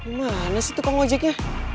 mana sih tukang ojeknya